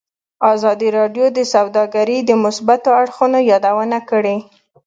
ازادي راډیو د سوداګري د مثبتو اړخونو یادونه کړې.